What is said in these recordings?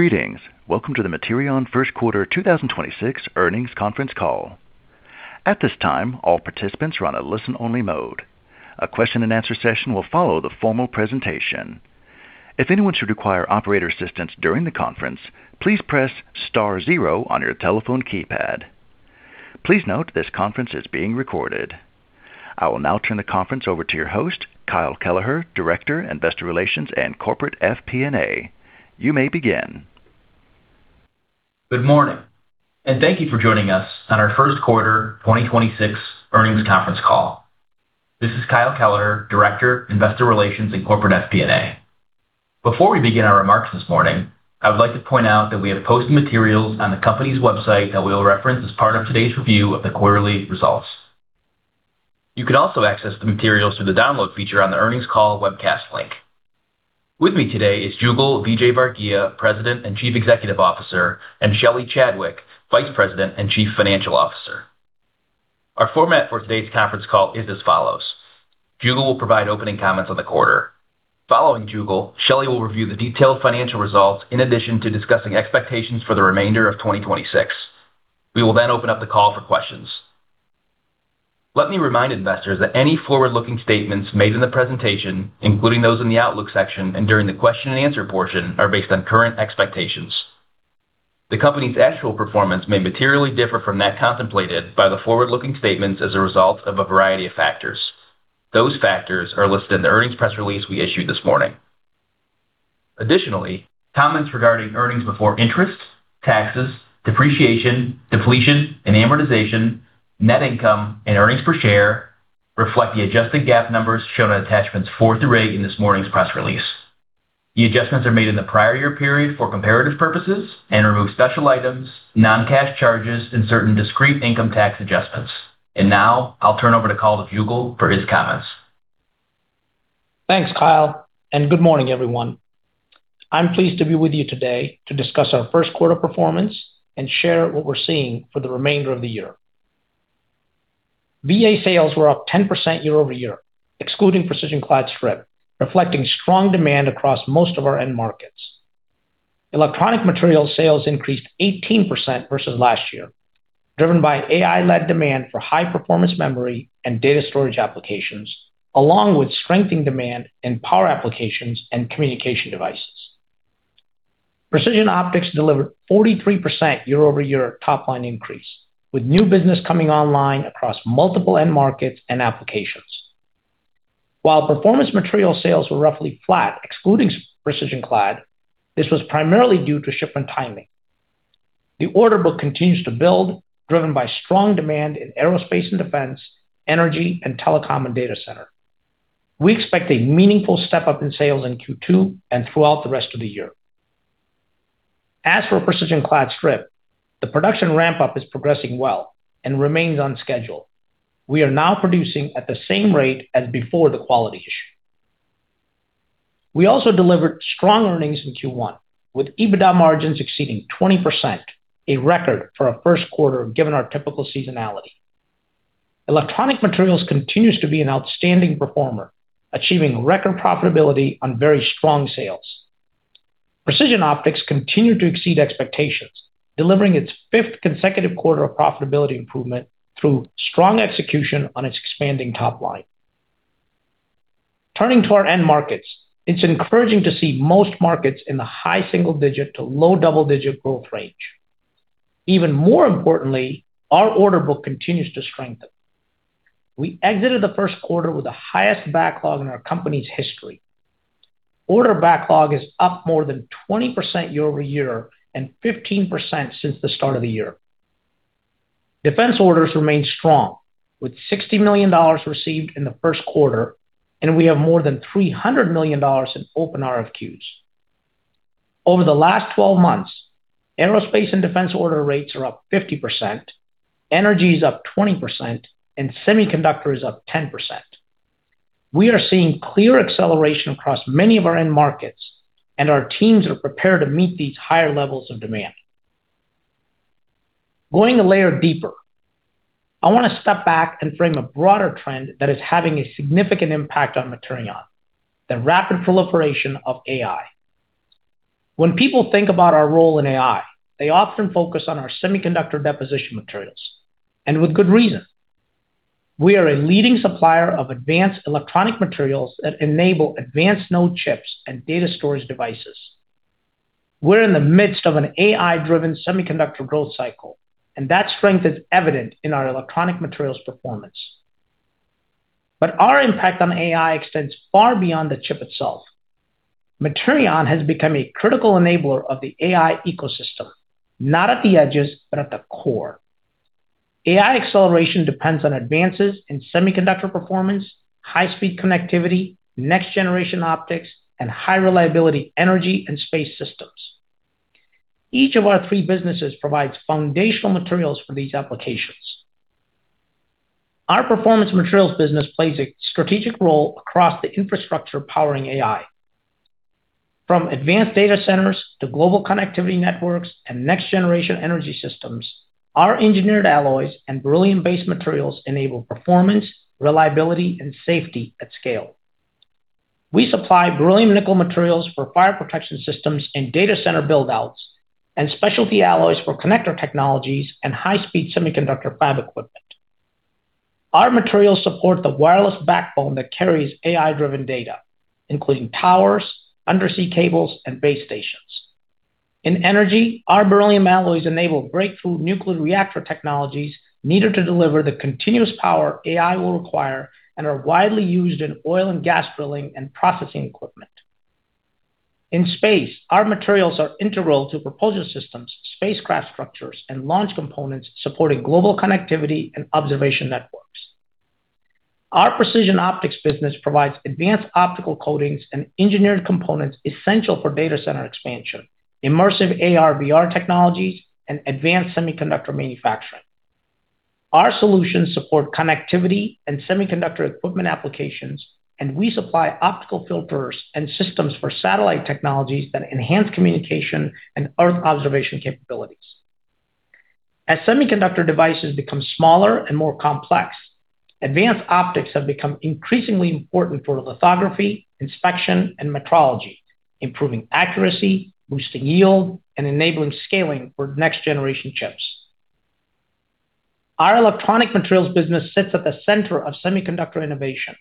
Greetings. Welcome to the Materion First Quarter 2026 Earnings Conference Call. At this time our participants are in listen only mode a question and answer section will follow the formal presentation, if anyone should require the operator's assistance during the conference, please press star zero on your telephone keypad, please note, this conference is being recorded. I will now turn the conference over to your host, Kyle Kelleher, Director, Investor Relations and Corporate FP&A. You may begin. Good morning. Thank you for joining us on our first quarter 2026 earnings conference call. This is Kyle Kelleher, Director, Investor Relations and Corporate FP&A. Before we begin our remarks this morning, I would like to point out that we have posted materials on the company's website that we'll reference as part of today's review of the quarterly results. You can also access the materials through the download feature on the earnings call webcast link. With me today is Jugal Vijayvargiya, President and Chief Executive Officer, and Shelly Chadwick, Vice President and Chief Financial Officer. Our format for today's conference call is as follows: Jugal will provide opening comments on the quarter. Following Jugal, Shelly will review the detailed financial results in addition to discussing expectations for the remainder of 2026. We will then open up the call for questions. Let me remind investors that any forward-looking statements made in the presentation, including those in the outlook section and during the question and answer portion, are based on current expectations. The company's actual performance may materially differ from that contemplated by the forward-looking statements as a result of a variety of factors. Those factors are listed in the earnings press release we issued this morning. Comments regarding Earnings Before Interest, Taxes, Depreciation, and Amortization, net income, and EPS reflect the adjusted GAAP numbers shown on attachments 4 through 8 in this morning's press release. The adjustments are made in the prior year period for comparative purposes and remove special items, non-cash charges, and certain discrete income tax adjustments. Now I'll turn over the call to Jugal for his comments. Thanks, Kyle, good morning, everyone. I'm pleased to be with you today to discuss our first quarter performance and share what we're seeing for the remainder of the year. VA sales were up 10% year-over-year, excluding precision clad strip, reflecting strong demand across most of our end markets. Electronic Materials sales increased 18% versus last year, driven by AI-led demand for high-performance memory and data storage applications, along with strengthening demand in power applications and communication devices. Precision Optics delivered 43% year-over-year top line increase, with new business coming online across multiple end markets and applications. While Performance Materials sales were roughly flat, excluding precision clad, this was primarily due to shipment timing. The order book continues to build, driven by strong demand in aerospace and defense, energy, and telecom and data center. We expect a meaningful step-up in sales in Q2 and throughout the rest of the year. As for precision clad strip, the production ramp-up is progressing well and remains on schedule. We are now producing at the same rate as before the quality issue. We also delivered strong earnings in Q1, with EBITDA margins exceeding 20%, a record for our first quarter given our typical seasonality. Electronic Materials continues to be an outstanding performer, achieving record profitability on very strong sales. Precision Optics continued to exceed expectations, delivering its fifth consecutive quarter of profitability improvement through strong execution on its expanding top line. Turning to our end markets, it's encouraging to see most markets in the high single-digit to low double-digit growth range. Even more importantly, our order book continues to strengthen. We exited the first quarter with the highest backlog in our company's history. Order backlog is up more than 20% year-over-year and 15% since the start of the year. Defense orders remain strong, with $60 million received in the first quarter, and we have more than $300 million in open RFQs. Over the last 12 months, aerospace and defense order rates are up 50%, energy is up 20%, and semiconductor is up 10%. We are seeing clear acceleration across many of our end markets, and our teams are prepared to meet these higher levels of demand. Going a layer deeper, I want to step back and frame a broader trend that is having a significant impact on Materion, the rapid proliferation of AI. When people think about our role in AI, they often focus on our semiconductor deposition materials, and with good reason. We are a leading supplier of advanced Electronic Materials that enable advanced node chips and data storage devices. We're in the midst of an AI-driven semiconductor growth cycle, and that strength is evident in our Electronic Materials performance. Our impact on AI extends far beyond the chip itself. Materion has become a critical enabler of the AI ecosystem, not at the edges, but at the core. AI acceleration depends on advances in semiconductor performance, high-speed connectivity, next-generation optics, and high reliability energy and space systems. Each of our three businesses provides foundational materials for these applications. Our Performance Materials business plays a strategic role across the infrastructure powering AI. From advanced data centers to global connectivity networks and next-generation energy systems, our engineered alloys and beryllium-based materials enable performance, reliability, and safety at scale. We supply beryllium nickel materials for fire protection systems in data center build-outs and specialty alloys for connector technologies and high-speed semiconductor fab equipment. Our materials support the wireless backbone that carries AI-driven data, including towers, undersea cables, and base stations. In energy, our beryllium alloys enable breakthrough nuclear reactor technologies needed to deliver the continuous power AI will require and are widely used in oil and gas drilling and processing equipment. In space, our materials are integral to propulsion systems, spacecraft structures, and launch components supporting global connectivity and observation networks. Our Precision Optics business provides advanced optical coatings and engineered components essential for data center expansion, immersive AR/VR technologies, and advanced semiconductor manufacturing. Our solutions support connectivity and semiconductor equipment applications, and we supply optical filters and systems for satellite technologies that enhance communication and earth observation capabilities. As semiconductor devices become smaller and more complex, advanced optics have become increasingly important for lithography, inspection, and metrology, improving accuracy, boosting yield, and enabling scaling for next-generation chips. Our Electronic Materials business sits at the center of semiconductor innovation,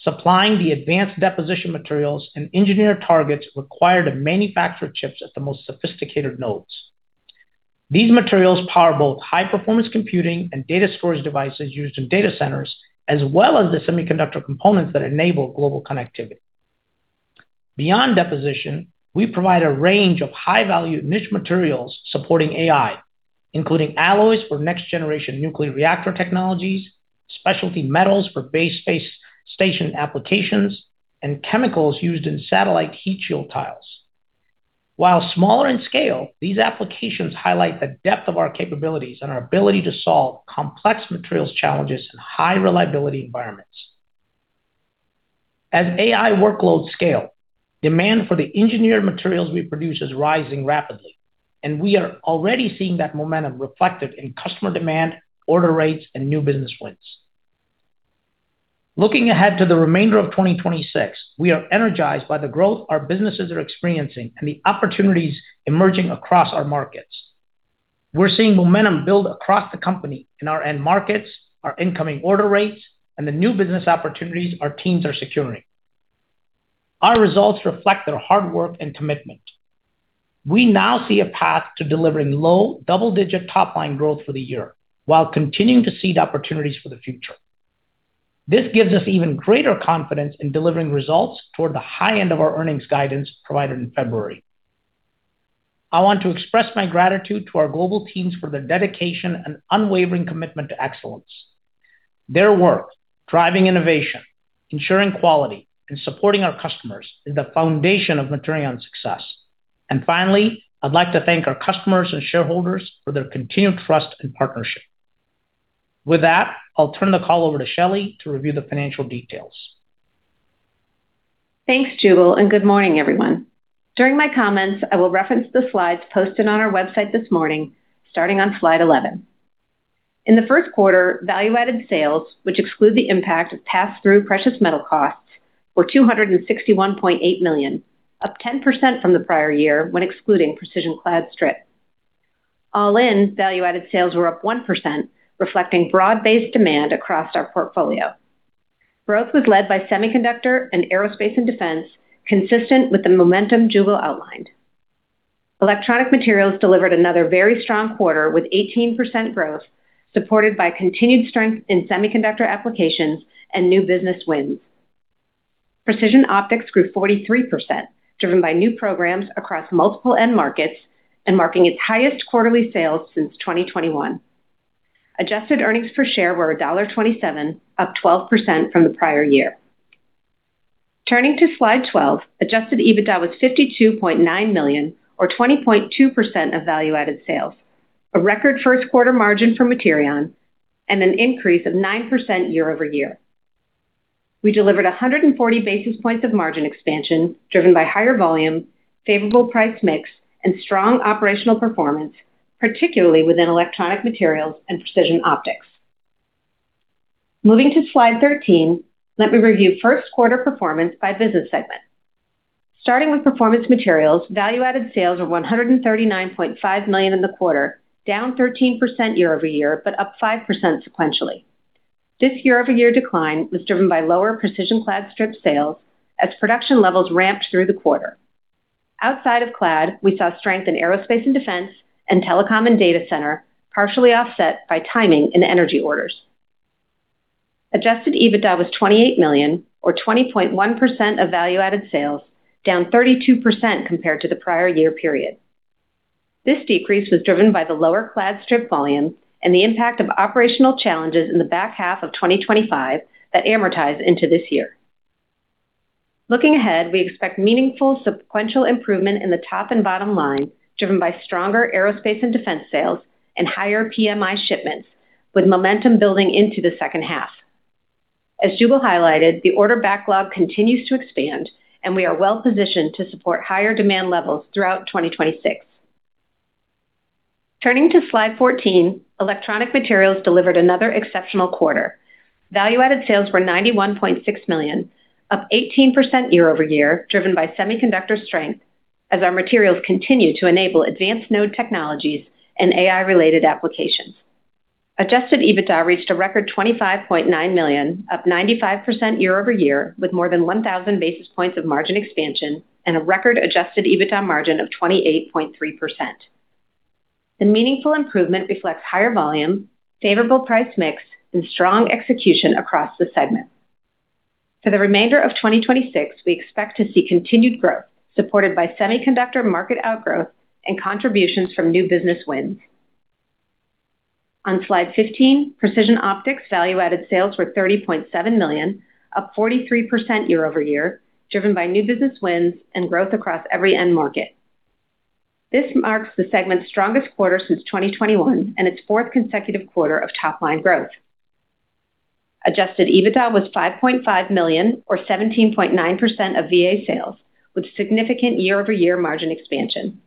supplying the advanced deposition materials and engineered targets required to manufacture chips at the most sophisticated nodes. These materials power both high-performance computing and data storage devices used in data centers, as well as the semiconductor components that enable global connectivity. Beyond deposition, we provide a range of high-value niche materials supporting AI, including alloys for next-generation nuclear reactor technologies, specialty metals for base space station applications, and chemicals used in satellite heat shield tiles. While smaller in scale, these applications highlight the depth of our capabilities and our ability to solve complex materials challenges in high-reliability environments. As AI workloads scale, demand for the engineered materials we produce is rising rapidly, and we are already seeing that momentum reflected in customer demand, order rates, and new business wins. Looking ahead to the remainder of 2026, we are energized by the growth our businesses are experiencing and the opportunities emerging across our markets. We're seeing momentum build across the company in our end markets, our incoming order rates, and the new business opportunities our teams are securing. Our results reflect their hard work and commitment. We now see a path to delivering low double-digit top-line growth for the year while continuing to seed opportunities for the future. This gives us even greater confidence in delivering results toward the high end of our earnings guidance provided in February. I want to express my gratitude to our global teams for their dedication and unwavering commitment to excellence. Their work, driving innovation, ensuring quality, and supporting our customers is the foundation of Materion's success. Finally, I'd like to thank our customers and shareholders for their continued trust and partnership. With that, I'll turn the call over to Shelly to review the financial details. Thanks, Jugal, and good morning, everyone. During my comments, I will reference the slides posted on our website this morning, starting on slide 11. In the first quarter, value-added sales, which exclude the impact of pass-through precious metal costs, were $261.8 million, up 10% from the prior year when excluding precision clad strip. All in, value-added sales were up 1%, reflecting broad-based demand across our portfolio. Growth was led by semiconductor and aerospace and defense, consistent with the momentum Jugal outlined. Electronic Materials delivered another very strong quarter with 18% growth, supported by continued strength in semiconductor applications and new business wins. Precision Optics grew 43%, driven by new programs across multiple end markets and marking its highest quarterly sales since 2021. Adjusted earnings per share were $1.27, up 12% from the prior year. Turning to slide 12, adjusted EBITDA was $52.9 million or 20.2% of value-added sales, a record first quarter margin for Materion and an increase of 9% year-over-year. We delivered 140 basis points of margin expansion driven by higher volume, favorable price mix, and strong operational performance, particularly within Electronic Materials and Precision Optics. Moving to slide 13, let me review first quarter performance by business segment. Starting with Performance Materials, value-added sales were $139.5 million in the quarter, down 13% year-over-year, but up 5% sequentially. This year-over-year decline was driven by lower precision clad strip sales as production levels ramped through the quarter. Outside of clad, we saw strength in aerospace and defense and telecom and data center, partially offset by timing in energy orders. Adjusted EBITDA was $28 million or 20.1% of value-added sales, down 32% compared to the prior year period. This decrease was driven by the lower Clad Strip volumes and the impact of operational challenges in the back half of 2025 that amortized into this year. Looking ahead, we expect meaningful sequential improvement in the top and bottom line, driven by stronger aerospace and defense sales and higher PMI shipments, with momentum building into the second half. As Jugal highlighted, the order backlog continues to expand. We are well-positioned to support higher demand levels throughout 2026. Turning to slide 14, Electronic Materials delivered another exceptional quarter. Value-added sales were $91.6 million, up 18% year-over-year, driven by semiconductor strength as our materials continue to enable advanced node technologies and AI-related applications. Adjusted EBITDA reached a record $25.9 million, up 95% year-over-year, with more than 1,000 basis points of margin expansion and a record adjusted EBITDA margin of 28.3%. The meaningful improvement reflects higher volume, favorable price mix, and strong execution across the segment. For the remainder of 2026, we expect to see continued growth supported by semiconductor market outgrowth and contributions from new business wins. On slide 15, Precision Optics value-added sales were $30.7 million, up 43% year-over-year, driven by new business wins and growth across every end market. This marks the segment's strongest quarter since 2021 and its fourth consecutive quarter of top-line growth. Adjusted EBITDA was $5.5 million or 17.9% of VA sales, with significant year-over-year margin expansion.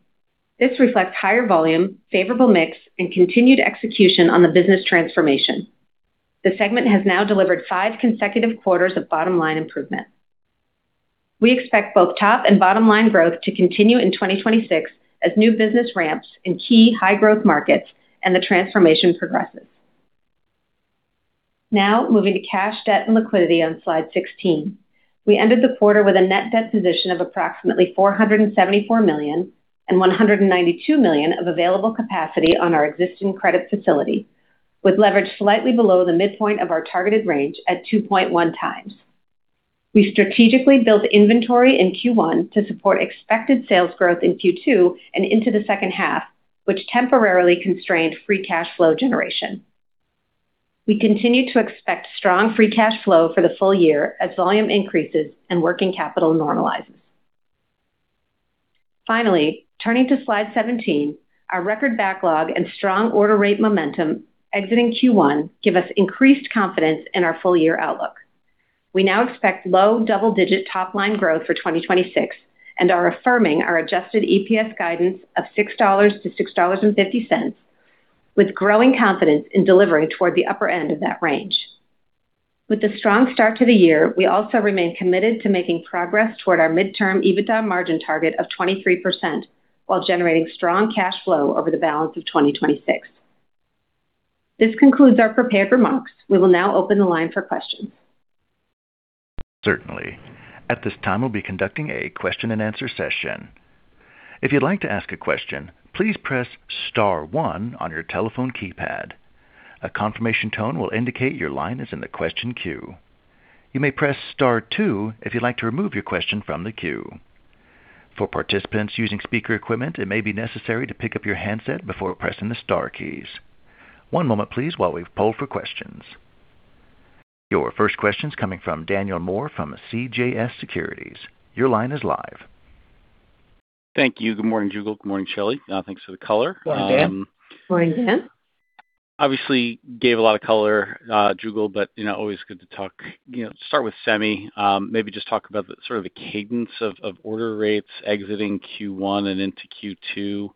This reflects higher volume, favorable mix, and continued execution on the business transformation. The segment has now delivered five consecutive quarters of bottom-line improvement. We expect both top and bottom line growth to continue in 2026 as new business ramps in key high-growth markets and the transformation progresses. Moving to cash, debt, and liquidity on slide 16. We ended the quarter with a net debt position of approximately $474 million and $192 million of available capacity on our existing credit facility, with leverage slightly below the midpoint of our targeted range at 2.1x. We strategically built inventory in Q1 to support expected sales growth in Q2 and into the second half, which temporarily constrained free cash flow generation. We continue to expect strong free cash flow for the full year as volume increases and working capital normalizes. Finally, turning to slide 17, our record backlog and strong order rate momentum exiting Q1 give us increased confidence in our full year outlook. We now expect low double-digit top-line growth for 2026 and are affirming our adjusted EPS guidance of $6.00-$6.50, with growing confidence in delivering toward the upper end of that range. With the strong start to the year, we also remain committed to making progress toward our midterm EBITDA margin target of 23% while generating strong cash flow over the balance of 2026. This concludes our prepared remarks. We will now open the line for questions. Certainly. At this time, we'll be conducting a question and answer session. If you'd like to ask a question, please press star one on your telephone keypad. A confirmation tone will indicate your line is in the question queue. You may press star two if you'd like to remove your question from the queue. For participants using speaker equipment, it may be necessary to pick up your handset before pressing the star keys. One moment, please, while we poll for questions. Your first question's coming from Daniel Moore from CJS Securities. Your line is live. Thank you. Good morning, Jugal. Good morning, Shelly. Thanks for the color. Good morning, Dan. Morning, Dan. Obviously gave a lot of color, Jugal, but, you know, always good to talk, you know, start with semi. Maybe just talk about the sort of the cadence of order rates exiting Q1 and into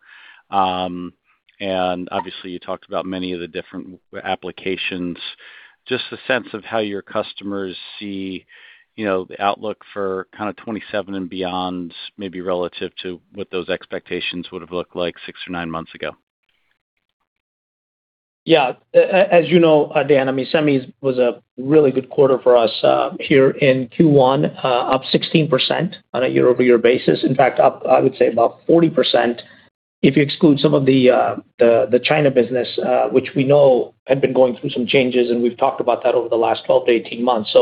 Q2. And obviously, you talked about many of the different applications. Just a sense of how your customers see, you know, the outlook for kinda 2027 and beyond, maybe relative to what those expectations would have looked like six or nine months ago. As you know, Dan, I mean, semis was a really good quarter for us here in Q1, up 16% on a year-over-year basis. Up, I would say about 40% if you exclude some of the China business, which we know had been going through some changes, and we've talked about that over the last 12 to 18 months.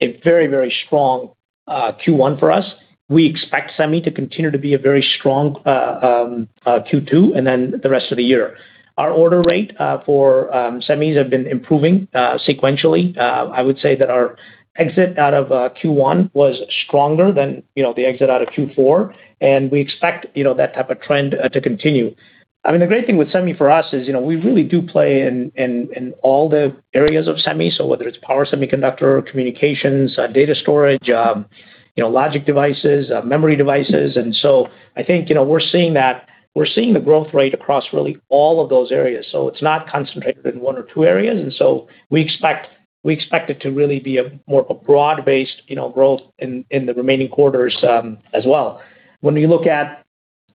A very strong Q1 for us. We expect semis to continue to be a very strong Q2 and the rest of the year. Our order rate for semis have been improving sequentially. I would say that our exit out of Q1 was stronger than, you know, the exit out of Q4, we expect, you know, that type of trend to continue. I mean, the great thing with semi for us is, you know, we really do play in all the areas of semi. Whether it's power semiconductor or communications, data storage, logic devices, memory devices. I think we're seeing the growth rate across really all of those areas. It's not concentrated in one or two areas. We expect it to really be a more broad-based growth in the remaining quarters as well. When you look at,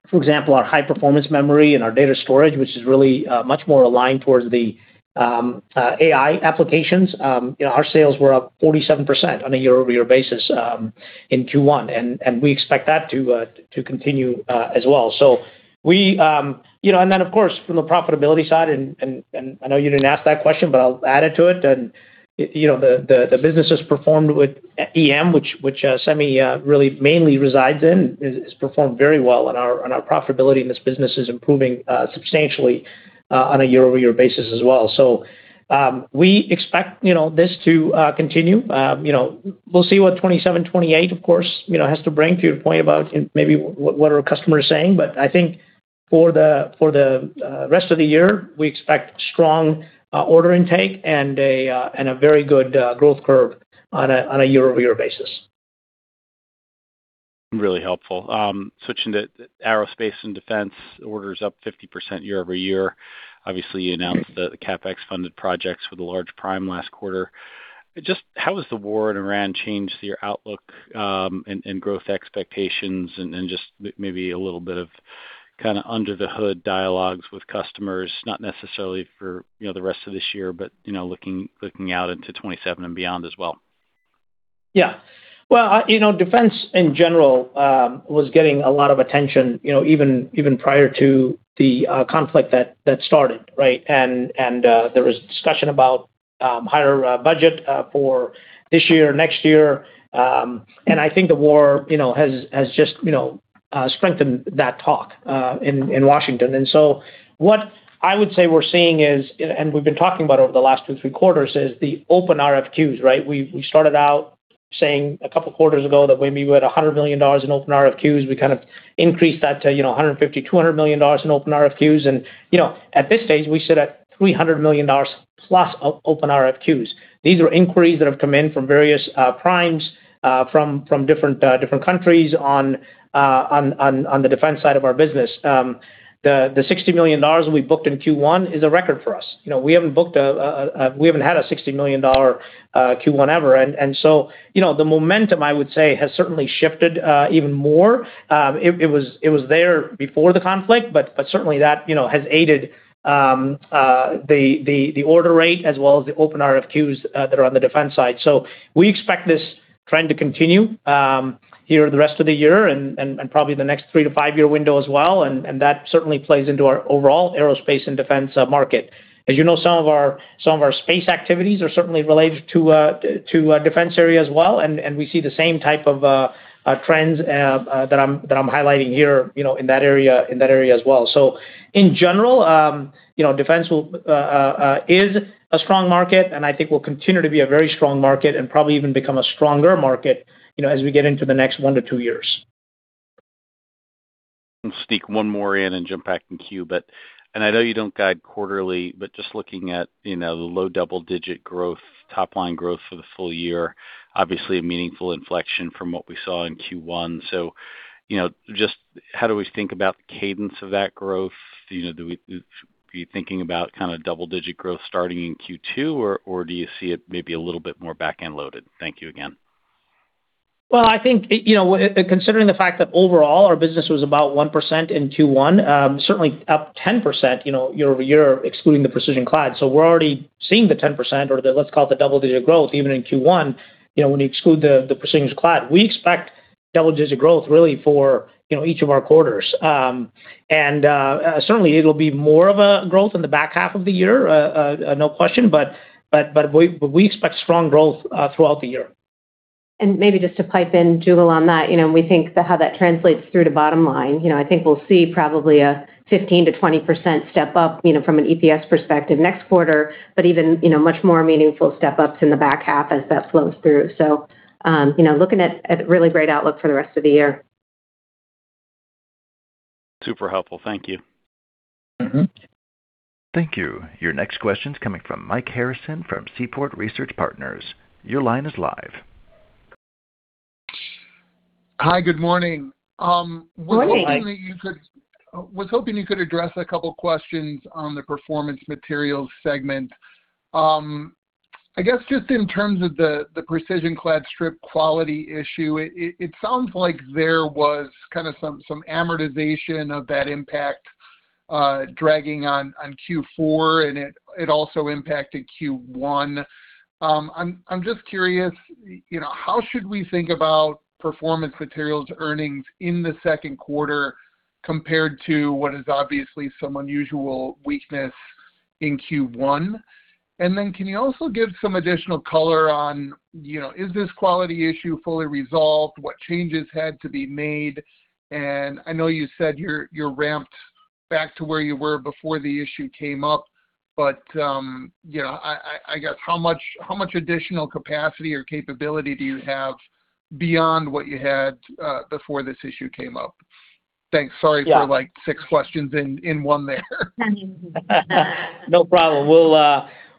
for example, our high-performance memory and our data storage, which is really much more aligned towards the AI applications, our sales were up 47% on a year-over-year basis in Q1, and we expect that to continue as well. We, you know, and then, of course, from the profitability side, and I know you didn't ask that question, but I'll add it to it. You know, the business has performed with EM, which semi really mainly resides in, has performed very well on our profitability, and this business is improving substantially on a year-over-year basis as well. We expect, you know, this to continue. You know, we'll see what 2027, 2028, of course, you know, has to bring to your point about maybe what our customers are saying. For the rest of the year, we expect strong order intake and a very good growth curve on a year-over-year basis. Really helpful. Switching to aerospace and defense, orders up 50% year-over-year. The CapEx funded projects for the large prime last quarter. Just how has the war in Iran changed your outlook and growth expectations? Just maybe a little bit of kind of under the hood dialogues with customers, not necessarily for, you know, the rest of this year, but, you know, looking out into 2027 and beyond as well. Yeah. Well, I, you know, defense in general was getting a lot of attention, you know, even prior to the conflict that started, right? There was discussion about higher budget for this year, next year. I think the war, you know, has just, you know, strengthened that talk in Washington. What I would say we're seeing is, and we've been talking about over the last two, three quarters, is the open RFQs, right? We started out saying a couple of quarters ago that we were at $100 million in open RFQs. We kind of increased that to, you know, $150 million-$200 million in open RFQs. You know, at this stage, we sit at $300 million plus open RFQs. These are inquiries that have come in from various primes from different countries on the defense side of our business. The $60 million that we booked in Q1 is a record for us. You know, we haven't had a $60 million Q1 ever. You know, the momentum, I would say, has certainly shifted even more. It was there before the conflict, but certainly that, you know, has aided the order rate as well as the open RFQs that are on the defense side. We expect this trend to continue here the rest of the year and probably the next three-five-year window as well. That certainly plays into our overall aerospace and defense market. As you know, some of our space activities are certainly related to a defense area as well, and we see the same type of trends that I'm highlighting here, you know, in that area as well. In general, you know, defense is a strong market, and I think will continue to be a very strong market and probably even become a stronger market, you know, as we get into the next one to two years. I'll sneak 1 more in and jump back in queue. And I know you don't guide quarterly, but just looking at, you know, the low double-digit growth, top line growth for the full year, obviously a meaningful inflection from what we saw in Q1. You know, just how do we think about the cadence of that growth? You know, are you thinking about kind of double-digit growth starting in Q2, or do you see it maybe a little bit more back-end loaded? Thank you again. Well, I think, you know, considering the fact that overall our business was about 1% in Q1, certainly up 10%, you know, year-over-year, excluding the precision clad. We're already seeing the 10% or the, let's call it the double-digit growth even in Q1, you know, when you exclude the precision clad. We expect double-digit growth really for, you know, each of our quarters. Certainly it'll be more of a growth in the back half of the year, no question, but we expect strong growth throughout the year. Maybe just to pipe in, Jugal, on that. You know, we think how that translates through to bottom line. You know, I think we'll see probably a 15%-20% step up, you know, from an EPS perspective next quarter. Even, you know, much more meaningful step-ups in the back half as that flows through. You know, looking at really great outlook for the rest of the year. Super helpful. Thank you. Mm-hmm. Thank you. Your next question's coming from Mike Harrison from Seaport Research Partners. Your line is live. Hi, good morning. Good morning.... was hoping you could address a couple of questions on the Performance Materials segment. I guess just in terms of the precision clad strip quality issue, it sounds like there was kind of some amortization of that impact dragging on Q4, and it also impacted Q1. I'm just curious, you know, how should we think about Performance Materials earnings in the second quarter compared to what is obviously some unusual weakness in Q1? Can you also give some additional color on, you know, is this quality issue fully resolved? What changes had to be made? I know you said you're ramped back to where you were before the issue came up, but, you know, I guess how much additional capacity or capability do you have beyond what you had before this issue came up? Thanks. Sorry for like six questions in one there. No problem.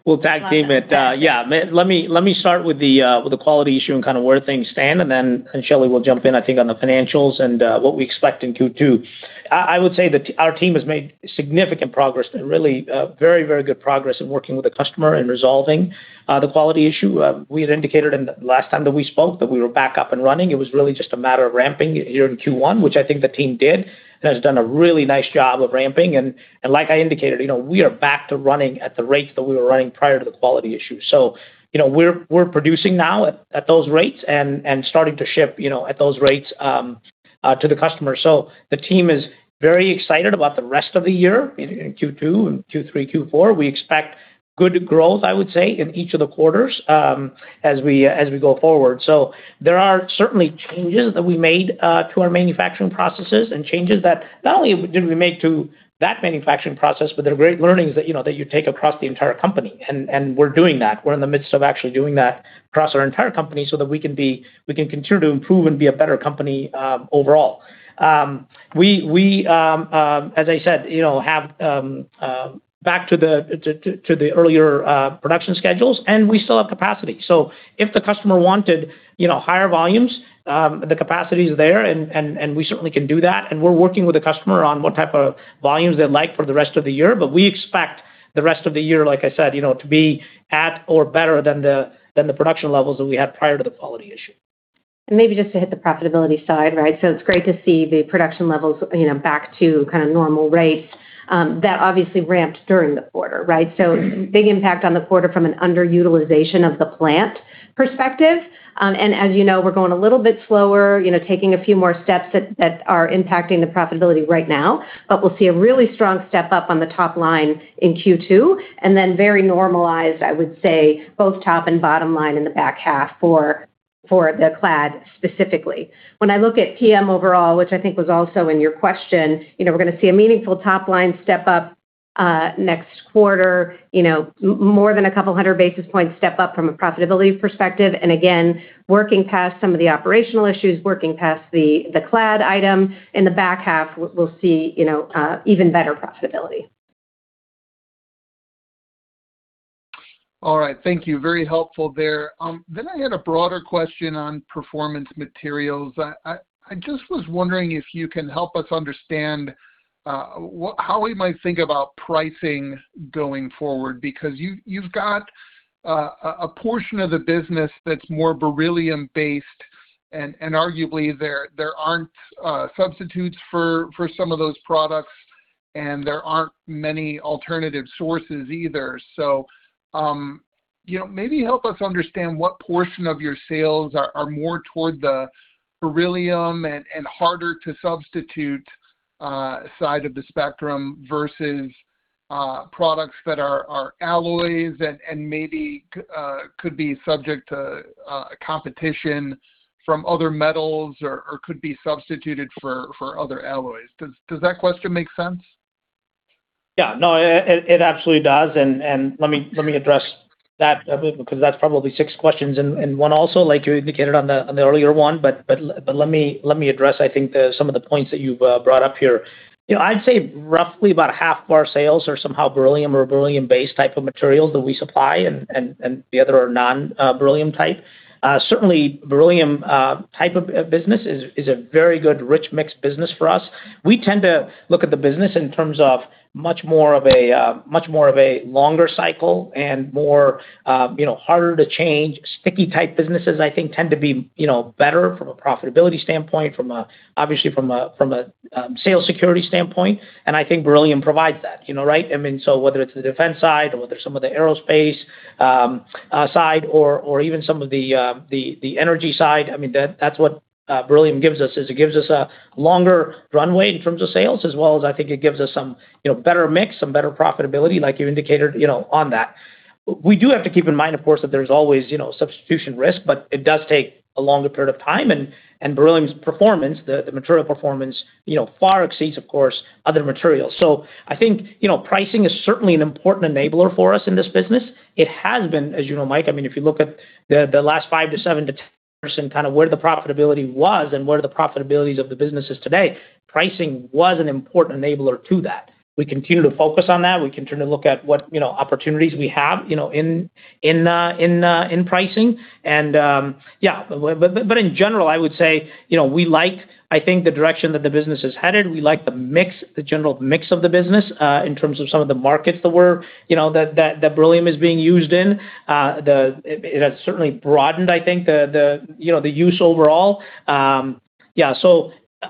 We'll tag team it. Yeah. Let me start with the quality issue and kind of where things stand, then Shelly will jump in, I think, on the financials and what we expect in Q2. I would say that our team has made significant progress and really, very good progress in working with the customer and resolving the quality issue. We had indicated in the last time that we spoke that we were back up and running. It was really just a matter of ramping here in Q1, which I think the team has done a really nice job of ramping. Like I indicated, you know, we are back to running at the rates that we were running prior to the quality issue. You know, we're producing now at those rates and starting to ship, you know, at those rates to the customer. The team is very excited about the rest of the year in Q2 and Q3, Q4. We expect good growth, I would say, in each of the quarters as we go forward. There are certainly changes that we made to our manufacturing processes and changes that not only did we make to that manufacturing process, but there are great learnings that, you know, that you take across the entire company. We're doing that. We're in the midst of actually doing that across our entire company so that we can continue to improve and be a better company overall. We, as I said, you know, have back to the earlier production schedules, and we still have capacity. If the customer wanted, you know, higher volumes, the capacity is there and we certainly can do that, and we're working with the customer on what type of volumes they'd like for the rest of the year. We expect the rest of the year, like I said, you know, to be at or better than the production levels that we had prior to the quality issue. Maybe just to hit the profitability side, right? It's great to see the production levels, you know, back to kind of normal rates, that obviously ramped during the quarter, right? Big impact on the quarter from an underutilization of the plant perspective. As you know, we're going a little bit slower, you know, taking a few more steps that are impacting the profitability right now. We'll see a really strong step up on the top line in Q2, and then very normalized, I would say, both top and bottom line in the back half for the clad specifically. When I look at PM overall, which I think was also in your question, you know, we're going to see a meaningful top-line step up next quarter. You know, more than 200 basis points step up from a profitability perspective. Again, working past some of the operational issues, working past the clad item. In the back half we'll see, you know, even better profitability. All right. Thank you. Very helpful there. I had a broader question on Performance Materials. I just was wondering if you can help us understand how we might think about pricing going forward because you've got a portion of the business that's more beryllium-based, and arguably there aren't substitutes for some of those products, and there aren't many alternative sources either. You know, maybe help us understand what portion of your sales are more toward the beryllium and harder to substitute side of the spectrum versus products that are alloys and maybe could be subject to competition from other metals or could be substituted for other alloys. Does that question make sense? Yeah, no, it absolutely does, and let me address that a bit because that's probably six questions in one also, like you indicated on the earlier one, but let me address, I think, the some of the points that you've brought up here. You know, I'd say roughly about half of our sales are somehow beryllium or beryllium-based type of materials that we supply, and the other are non-beryllium type. Certainly beryllium type of business is a very good rich mixed business for us. We tend to look at the business in terms of much more of a longer cycle and more, you know, harder to change. Sticky type businesses, I think, tend to be, you know, better from a profitability standpoint, obviously from a sales security standpoint, and I think beryllium provides that, you know, right? I mean, so whether it's the defense side or whether some of the aerospace side or even some of the energy side, I mean, that's what beryllium gives us, is it gives us a longer runway in terms of sales as well as I think it gives us some, you know, better mix, some better profitability, like you indicated, you know, on that. We do have to keep in mind, of course, that there's always, you know, substitution risk, but it does take a longer period of time, and beryllium's performance, the material performance, you know, far exceeds, of course, other materials. I think, you know, pricing is certainly an important enabler for us in this business. It has been, as you know, Mike, I mean, if you look at the last five to seven to ten years and kind of where the profitability was and where the profitability of the business is today, pricing was an important enabler to that. We continue to focus on that. We continue to look at what, you know, opportunities we have, you know, in pricing. Yeah. In general, I would say, you know, we like, I think, the direction that the business is headed. We like the mix, the general mix of the business, in terms of some of the markets that, you know, beryllium is being used in. It has certainly broadened, I think, the, you know, the use overall.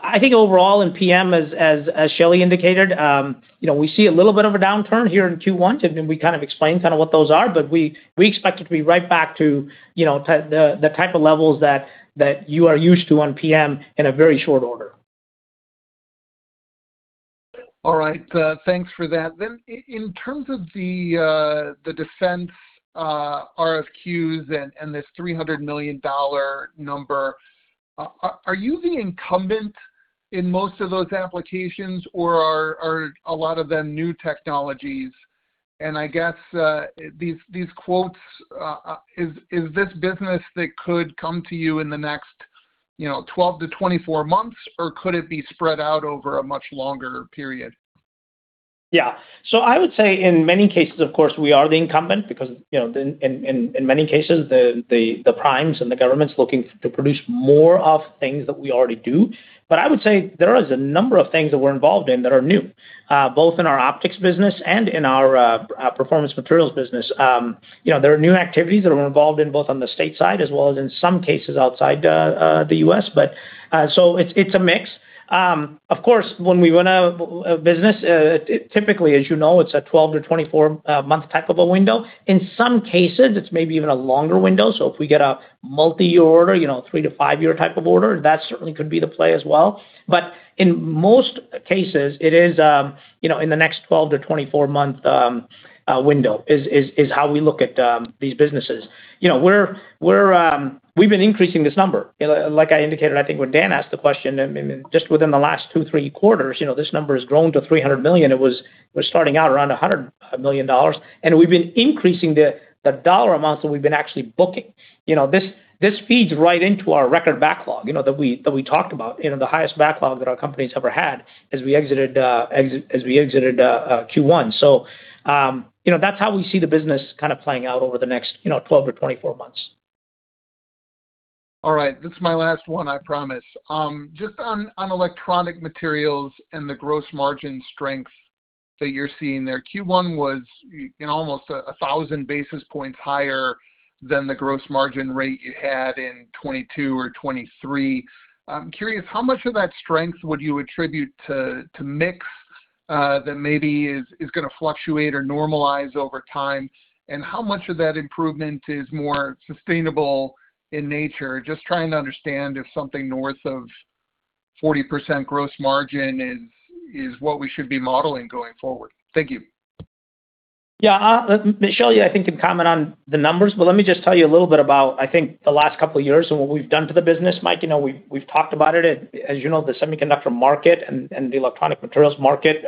I think overall in PM as Shelly indicated, you know, we see a little bit of a downturn here in Q1, and then we kind of explained kind of what those are, but we expect it to be right back to, you know, the type of levels that you are used to on PM in a very short order. All right. Thanks for that. In terms of the defense RFQs and this $300 million number, are you the incumbent in most of those applications, or a lot of them new technologies? I guess, these quotes, is this business that could come to you in the next, you know, 12-24 months, or could it be spread out over a much longer period? Yeah. I would say in many cases, of course, we are the incumbent because, you know, in many cases, the primes and the government's looking to produce more of things that we already do. I would say there is a number of things that we're involved in that are new, both in our Precision Optics business and in our Performance Materials business. You know, there are new activities that we're involved in, both on the state side as well as in some cases outside the U.S. It's a mix. Of course, when we win a business, typically, as you know, it's a 12-24 month type of a window. In some cases, it's maybe even a longer window. If we get a multiyear order, you know, three to five year type of order, that certainly could be the play as well. In most cases, it is, you know, in the next 12-24 month window is how we look at these businesses. You know, we're, we've been increasing this number. You know, like I indicated, I think when Dan asked the question, I mean, just within the last two to three quarters, you know, this number has grown to $300 million. It was starting out around $100 million. We've been increasing the dollar amounts that we've been actually booking. You know, this feeds right into our record backlog, you know, that we talked about, you know, the highest backlog that our company's ever had as we exited Q1. You know, that's how we see the business kind of playing out over the next, you know, 12 to 24 months. All right. This is my last one, I promise. Just on Electronic Materials and the gross margin strength that you're seeing there. Q1 was, you know, almost 1,000 basis points higher than the gross margin rate you had in 2022 or 2023. I'm curious, how much of that strength would you attribute to mix that maybe is gonna fluctuate or normalize over time? How much of that improvement is more sustainable in nature? Just trying to understand if something north of 40% gross margin is what we should be modeling going forward. Thank you. Yeah, Shelly, I think can comment on the numbers, but let me just tell you a little bit about, I think the last couple of years and what we've done to the business, Mike. You know, we've talked about it. As you know, the semiconductor market and the Electronic Materials market,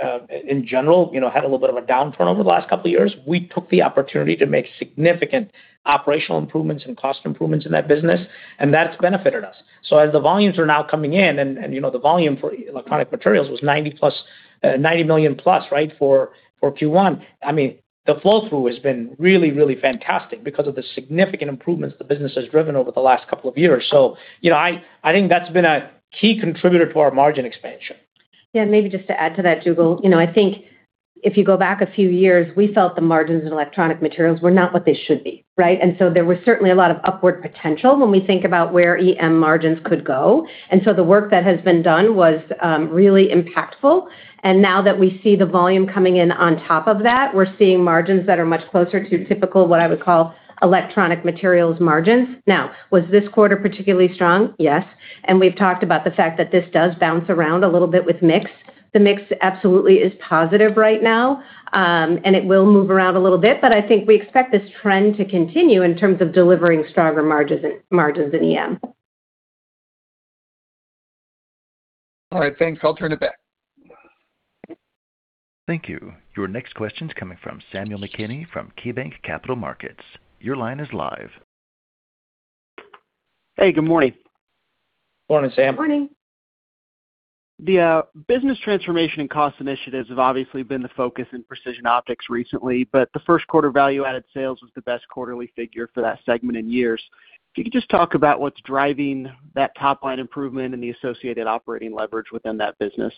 in general, you know, had a little bit of a downturn over the last couple of years. We took the opportunity to make significant operational improvements and cost improvements in that business, and that's benefited us. As the volumes are now coming in, and, you know, the volume for Electronic Materials was $90 million plus, right, for Q1. I mean, the flow-through has been really, really fantastic because of the significant improvements the business has driven over the last couple of years. You know, I think that's been a key contributor to our margin expansion. Yeah, maybe just to add to that, Jugal. You know, I think if you go back a few years, we felt the margins in Electronic Materials were not what they should be, right? There was certainly a lot of upward potential when we think about where EM margins could go. The work that has been done was really impactful. Now that we see the volume coming in on top of that, we're seeing margins that are much closer to typical, what I would call Electronic Materials margins. Now, was this quarter particularly strong? Yes. We've talked about the fact that this does bounce around a little bit with mix. The mix absolutely is positive right now. It will move around a little bit, but I think we expect this trend to continue in terms of delivering stronger margins in EM. All right, thanks. I'll turn it back. Thank you. Your next question is coming from Samuel McKinney from KeyBanc Capital Markets. Your line is live. Hey, good morning. Morning, Sam. Morning. The business transformation and cost initiatives have obviously been the focus in Precision Optics recently, but the first quarter value-added sales was the best quarterly figure for that segment in years. If you could just talk about what's driving that top line improvement and the associated operating leverage within that business.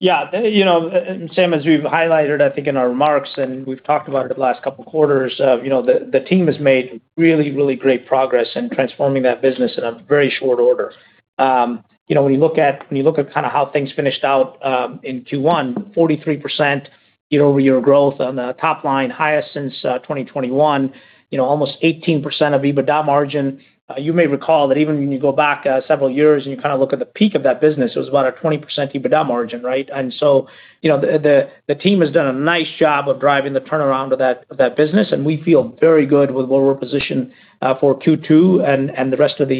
Yeah. You know, Sam, as we've highlighted, I think, in our remarks, and we've talked about it the last couple of quarters, you know, the team has made really, really great progress in transforming that business in a very short order. You know, when you look at kinda how things finished out in Q1, 43% year-over-year growth on the top line, highest since 2021. You know, almost 18% of EBITDA margin. You may recall that even when you go back several years and you kinda look at the peak of that business, it was about a 20% EBITDA margin, right? You know, the team has done a nice job of driving the turnaround of that business, and we feel very good with where we're positioned for Q2 and the rest of the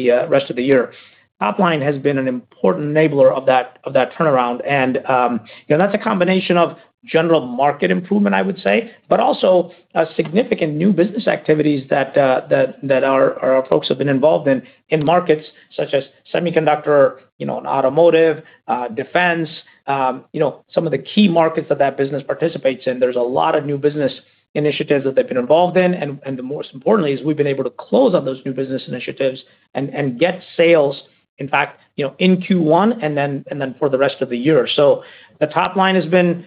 year. Top line has been an important enabler of that turnaround. You know, that's a combination of general market improvement, I would say, but also a significant new business activities that our folks have been involved in markets such as semiconductor, you know, automotive, defense, you know, some of the key markets that business participates in. There's a lot of new business initiatives that they've been involved in. The most importantly, is we've been able to close on those new business initiatives and get sales, in fact, you know, in Q1 and then for the rest of the year. The top line has been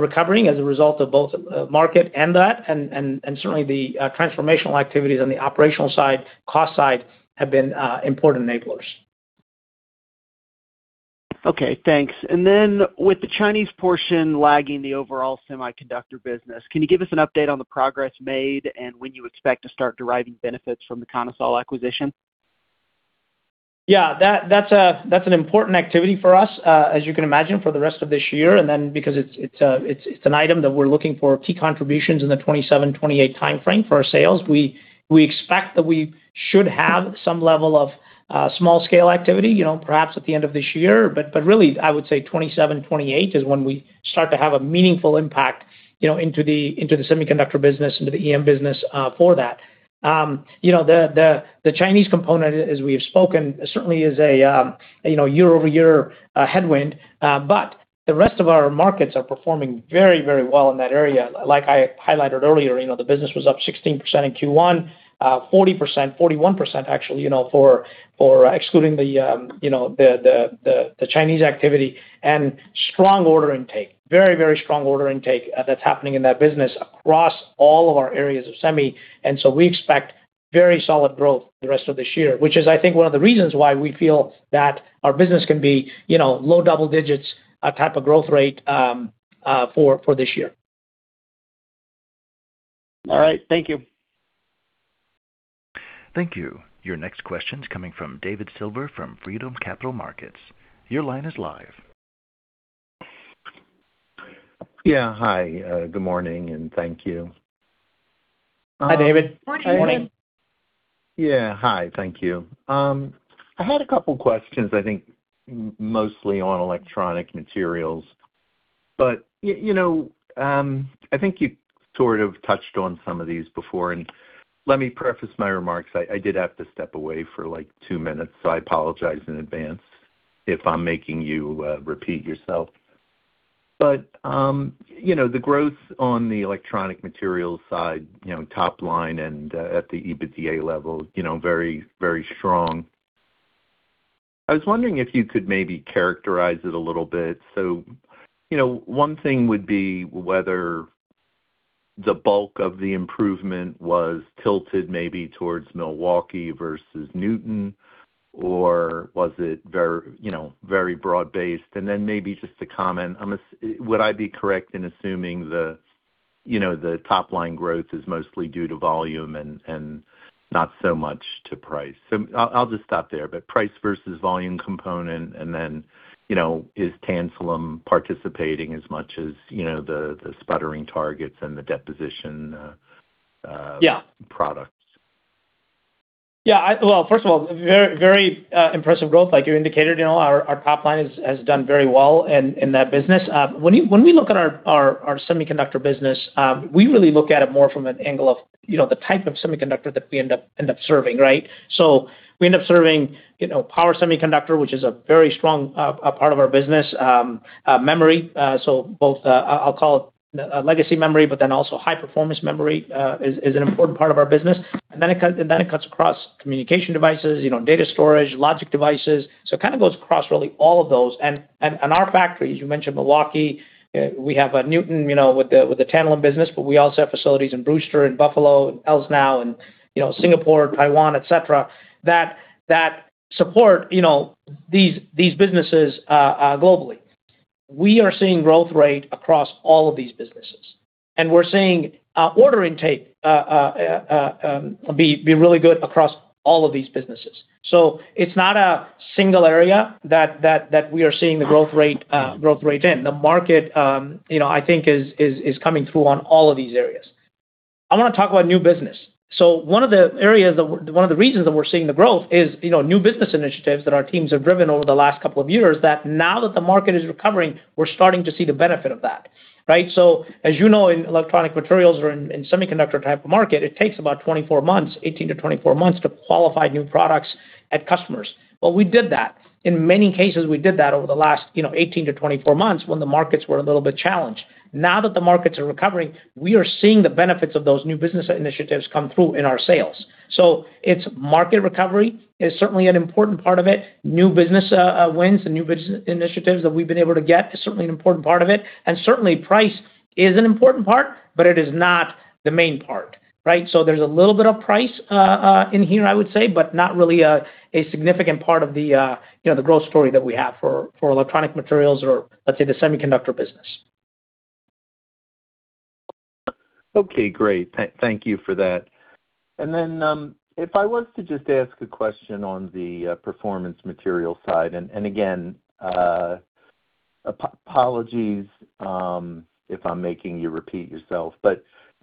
recovering as a result of both market and that, and certainly the transformational activities on the operational side, cost side have been important enablers. Okay, thanks. With the Chinese portion lagging the overall semiconductor business, can you give us an update on the progress made and when you expect to start deriving benefits from the Konasol acquisition? Yeah, that's a, that's an important activity for us, as you can imagine, for the rest of this year. Because it's an item that we're looking for key contributions in the 2027, 2028 timeframe for our sales. We expect that we should have some level of small scale activity, you know, perhaps at the end of this year. Really, I would say 2027, 2028 is when we start to have a meaningful impact, you know, into the semiconductor business, into the EM business for that. You know, the Chinese component, as we have spoken, certainly is a, you know, year-over-year headwind, the rest of our markets are performing very, very well in that area. Like I highlighted earlier, you know, the business was up 16% in Q1, 40%, 41% actually, you know, for excluding the, you know, the Chinese activity and strong order intake. Very, very strong order intake, that's happening in that business across all of our areas of semi. We expect very solid growth the rest of this year, which is I think one of the reasons why we feel that our business can be, you know, low double digits, type of growth rate, for this year. All right. Thank you. Thank you. Your next question is coming from David Silver from Freedom Capital Markets. Your line is live. Yeah. Hi, good morning, and thank you. Hi, David. Morning, David. Yeah. Hi. Thank you. I had a couple questions, I think mostly on Electronic Materials. You know, I think you sort of touched on some of these before. Let me preface my remarks. I did have to step away for like 2 minutes, so I apologize in advance if I'm making you repeat yourself. You know, the growth on the Electronic Materials side, you know, top line and at the EBITDA level, you know, very strong. I was wondering if you could maybe characterize it a little bit. You know, one thing would be whether the bulk of the improvement was tilted maybe towards Milwaukee versus Newton, or was it you know, very broad-based. Maybe just to comment, would I be correct in assuming the, you know, the top-line growth is mostly due to volume and not so much to price? I'll just stop there. Price versus volume component, you know, is tantalum participating as much as, you know, the sputtering targets and the deposition products? Yeah. Well, first of all, very impressive growth, like you indicated. You know, our top line has done very well in that business. When we look at our semiconductor business, we really look at it more from an angle of, you know, the type of semiconductor that we end up serving, right? We end up serving, you know, power semiconductor, which is a very strong part of our business. Memory, both I'll call it legacy memory, also high-performance memory, is an important part of our business. It cuts across communication devices, you know, data storage, logic devices. It kind of goes across really all of those. Our factories, you mentioned Milwaukee, we have Newton, you know, with the tantalum business, but we also have facilities in Brewster, in Buffalo, in Elmore, and, you know, Singapore, Taiwan, et cetera, that support, you know, these businesses globally. We are seeing growth rate across all of these businesses, and we're seeing order intake be really good across all of these businesses. It's not a single area that we are seeing the growth rate in. The market, you know, I think, is coming through on all of these areas. I wanna talk about new business. One of the areas that one of the reasons that we're seeing the growth is, you know, new business initiatives that our teams have driven over the last couple of years that now that the market is recovering, we're starting to see the benefit of that, right? As you know, in Electronic Materials or in semiconductor type of market, it takes about 24 months, 18-24 months to qualify new products at customers. Well, we did that. In many cases, we did that over the last, you know, 18-24 months when the markets were a little bit challenged. Now that the markets are recovering, we are seeing the benefits of those new business initiatives come through in our sales. It's market recovery is certainly an important part of it. New business wins and new business initiatives that we've been able to get is certainly an important part of it. Certainly, price is an important part, but it is not the main part, right? There's a little bit of price in here, I would say, but not really a significant part of the, you know, the growth story that we have for Electronic Materials or, let's say, the semiconductor business. Okay, great. Thank you for that. If I was to just ask a question on the Performance Materials side, again, apologies if I'm making you repeat yourself.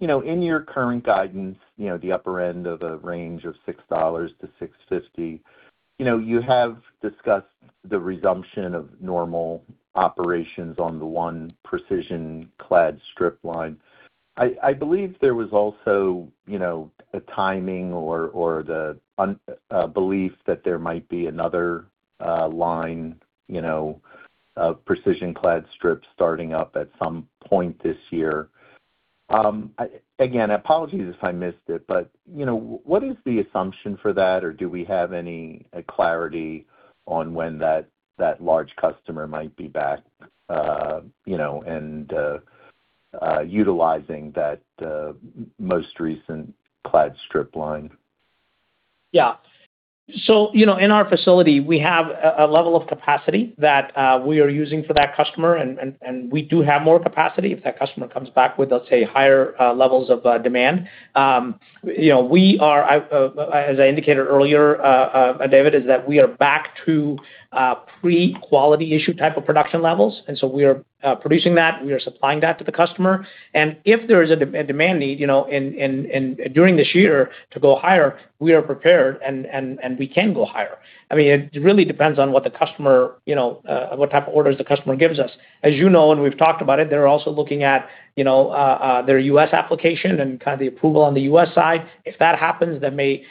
In your current guidance, the upper end of a range of $6.00-$6.50, you have discussed the resumption of normal operations on the one precision clad strip line. I believe there was also a timing or a belief that there might be another line of precision clad strips starting up at some point this year. Again, apologies if I missed it, but, you know, what is the assumption for that, or do we have any clarity on when that large customer might be back, you know, and utilizing that most recent clad strip line? Yeah. You know, in our facility, we have a level of capacity that we are using for that customer, and we do have more capacity if that customer comes back with, let's say, higher levels of demand. You know, we are, as I indicated earlier, David, is that we are back to pre-quality issue type of production levels, we are producing that, we are supplying that to the customer. If there is a demand need, you know, in during this year to go higher, we are prepared and we can go higher. I mean, it really depends on what the customer, you know, what type of orders the customer gives us. As you know, and we've talked about it, they're also looking at, you know, their U.S. application and kind of the approval on the U.S. side. If that happens, that may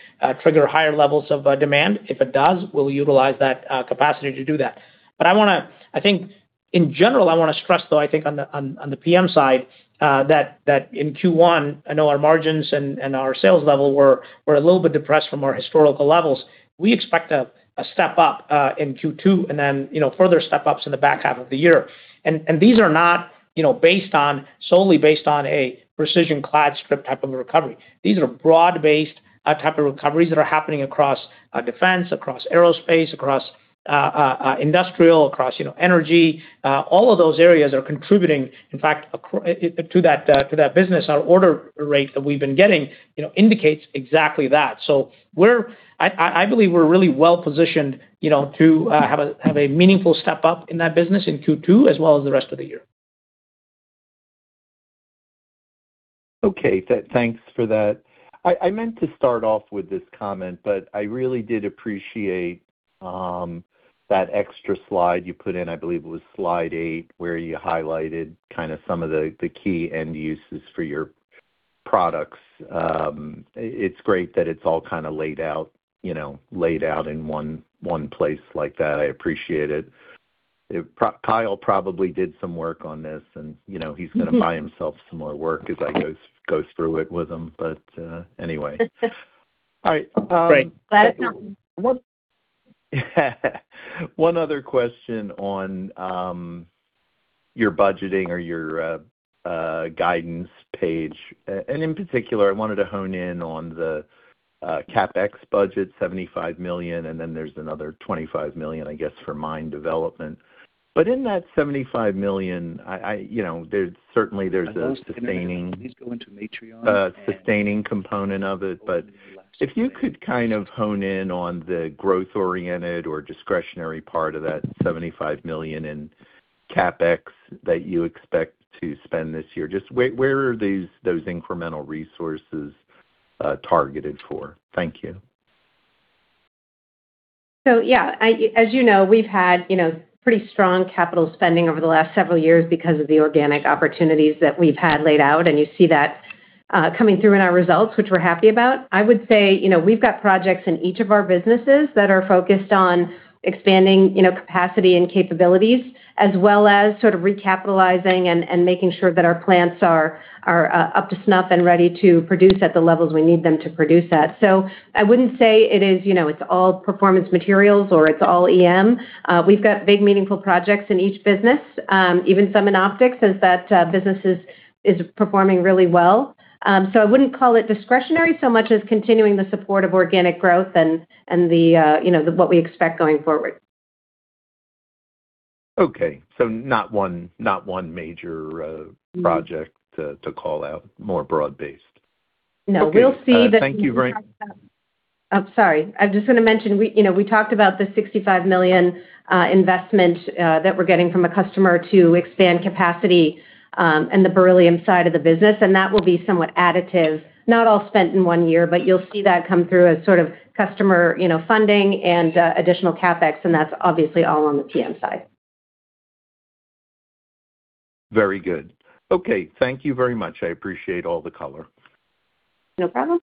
trigger higher levels of demand. If it does, we'll utilize that capacity to do that. I think in general, I wanna stress, though, on the PM side, that in Q1, I know our margins and our sales level were a little bit depressed from our historical levels. We expect a step up in Q2 and then, you know, further step-ups in the back half of the year. These are not, you know, solely based on a precision clad strip type of a recovery. These are broad-based type of recoveries that are happening across defense, across aerospace, across industrial, across, you know, energy. All of those areas are contributing, in fact, to that business. Our order rate that we've been getting, you know, indicates exactly that. I believe we're really well-positioned, you know, to have a meaningful step up in that business in Q2 as well as the rest of the year. Okay. Thanks for that. I meant to start off with this comment, I really did appreciate that extra slide you put in, I believe it was slide eight, where you highlighted kind of some of the key end uses for your products. It's great that it's all kind of laid out, you know, laid out in one place like that. I appreciate it. Kyle probably did some work on this and, you know, he's gonna buy himself some more work as I go through it with him. Anyway. All right. Great. [Glad it's not me.] One other question on your budgeting or your guidance page. In particular, I wanted to hone in on the CapEx budget, $75 million, and then there's another $25 million, I guess, for mine development. In that $75 million, I, you know, there's certainly there's a sustaining- A sustaining component of it. If you could kind of hone in on the growth-oriented or discretionary part of that $75 million in CapEx that you expect to spend this year. Just where are those incremental resources targeted for? Thank you. As you know, we've had, you know, pretty strong capital spending over the last several years because of the organic opportunities that we've had laid out, and you see that coming through in our results, which we're happy about. I would say, you know, we've got projects in each of our businesses that are focused on expanding, you know, capacity and capabilities, as well as sort of recapitalizing and making sure that our plants are up to snuff and ready to produce at the levels we need them to produce at. I wouldn't say it is, you know, it's all Performance Materials or it's all EM. We've got big, meaningful projects in each business, even some in Optics as that business is performing really well. I wouldn't call it discretionary so much as continuing the support of organic growth and the, you know, the what we expect going forward. Okay. Not one major project to call out, more broad-based. No. Okay. We'll see the- Thank you very- Oh, sorry. I just wanna mention, we, you know, we talked about the $65 million investment that we're getting from a customer to expand capacity in the beryllium side of the business, and that will be somewhat additive, not all spent in one year, but you'll see that come through as sort of customer, you know, funding and additional CapEx, and that's obviously all on the PM side. Very good. Okay, thank you very much. I appreciate all the color. No problem.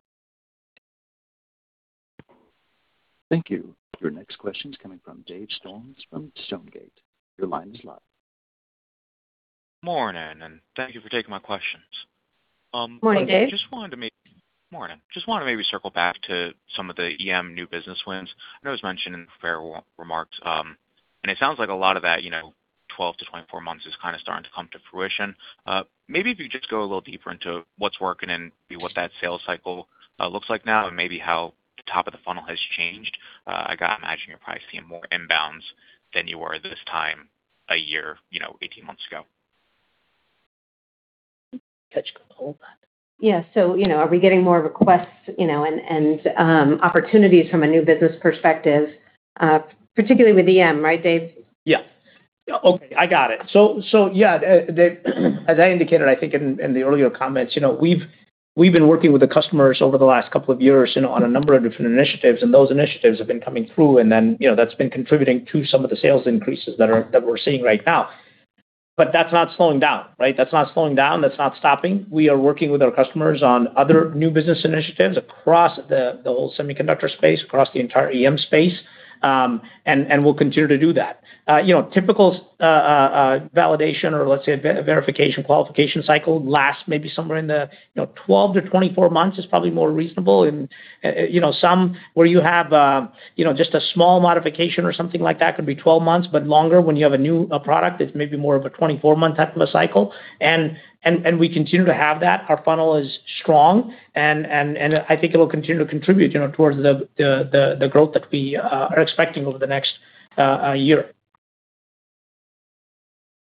Thank you. Your next question is coming from Dave Storms from Stonegate. Your line is live. Morning, thank you for taking my questions. Morning, Dave. Morning. Just wanted to maybe circle back to some of the EM new business wins. I know it was mentioned in prepared remarks. It sounds like a lot of that, you know, 12 to 24 months is kind of starting to come to fruition. Maybe if you just go a little deeper into what's working and maybe what that sales cycle looks like now and maybe how the top of the funnel has changed. I gotta imagine you're probably seeing more inbounds than you were this time a year, you know, 18 months ago. Yeah. You know, are we getting more requests, you know, and opportunities from a new business perspective, particularly with EM, right, Dave? Yeah. Okay, I got it. As I indicated in the earlier comments, you know, we've been working with the customers over the last couple of years, you know, on a number of different initiatives, and those initiatives have been coming through, and that's been contributing to some of the sales increases that we're seeing right now. That's not slowing down, right? That's not slowing down. That's not stopping. We are working with our customers on other new business initiatives across the whole semiconductor space, across the entire EM space. We'll continue to do that. You know, typical validation or let's say a verification qualification cycle lasts maybe somewhere in the 12 to 24 months is probably more reasonable. You know, some where you have, you know, just a small modification or something like that could be 12 months, but longer when you have a new product, it's maybe more of a 24-month type of a cycle. We continue to have that. Our funnel is strong and I think it will continue to contribute, you know, towards the growth that we are expecting over the next year.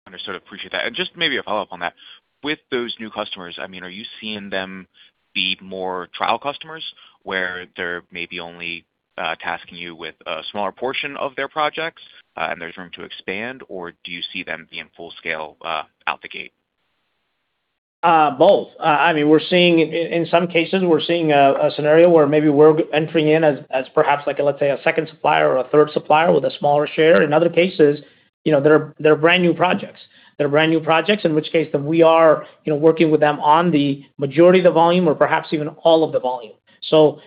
Understood. Appreciate that. Just maybe a follow-up on that. With those new customers, I mean, are you seeing them be more trial customers, where they're maybe only tasking you with a smaller portion of their projects, and there's room to expand, or do you see them being full scale out the gate? Both. We're seeing, in some cases, we're seeing a scenario where maybe we're entering in as perhaps like, let's say, a second supplier or a third supplier with a smaller share. In other cases, you know, they're brand-new projects. They're brand-new projects, in which case we are, you know, working with them on the majority of the volume or perhaps even all of the volume.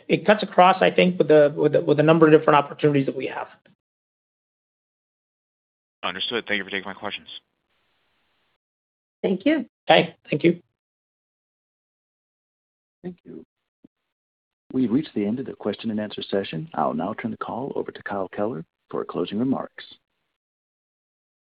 It cuts across, I think, with the number of different opportunities that we have. Understood. Thank you for taking my questions. Thank you. Okay. Thank you. Thank you. We've reached the end of the question and answer session. I'll now turn the call over to Kyle Kelleher for closing remarks.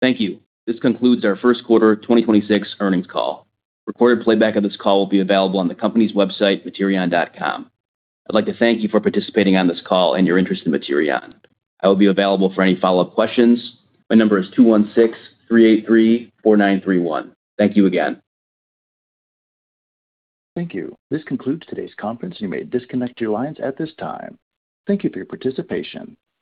Thank you. This concludes our first quarter 2026 earnings call. Recorded playback of this call will be available on the company's website, materion.com. I'd like to thank you for participating on this call and your interest in Materion. I will be available for any follow-up questions. My number is 216-383-4931. Thank you again. Thank you. This concludes today's conference. You may disconnect your lines at this time. Thank you for your participation.